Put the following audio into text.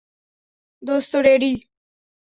দোস্ত, রেডি।